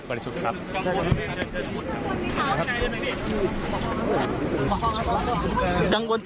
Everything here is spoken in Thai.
ดังวนตรงไหนไหมพี่